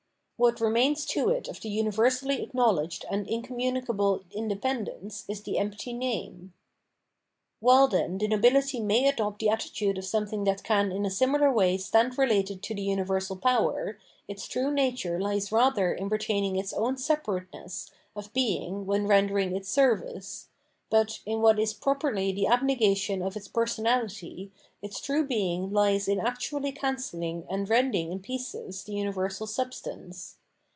What remains to it of the universally acknowledged and incommunic able independence is the empty name. While, then, the nobihty may adopt the attitude of something that can in a similar way stand related to the universal power, its true nature hes rather in retaining its own separateness of being when rendering its service, but, in what is properly the abnegation of its person ahty, its true being hes in actuaUy cancelhng and rending in pieces the universal substance.